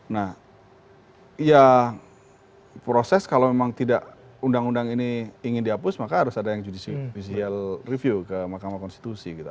nah ya proses kalau memang tidak undang undang ini ingin dihapus maka harus ada yang judicial review ke mahkamah konstitusi gitu